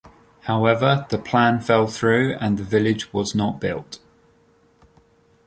However the plan fell through and the village was not built.